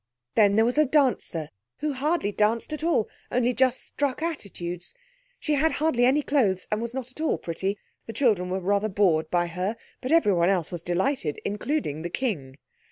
Then there was a dancer, who hardly danced at all, only just struck attitudes. She had hardly any clothes, and was not at all pretty. The children were rather bored by her, but everyone else was delighted, including the King.